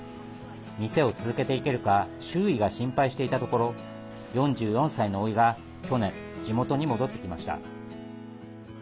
店を続けていけるか周囲が心配していたところ４４歳のおいが去年、地元に戻ってきました。